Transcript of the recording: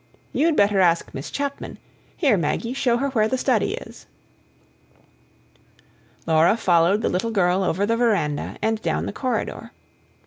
"You'd better ask Miss Chapman. Here, Maggie, show her where the study is." Laura followed the little girl over the verandah and down the corridor.